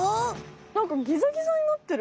なんかギザギザになってる！